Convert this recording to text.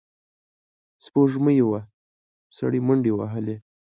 سپوږمۍ وه، سړی منډې وهلې.